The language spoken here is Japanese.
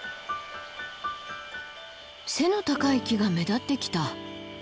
背の高い木が目立ってきた。